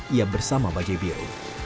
ia bersama bajai biru